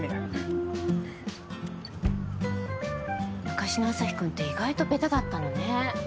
昔のアサヒくんって意外とベタだったのね。